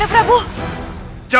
kau berdebat dari itikau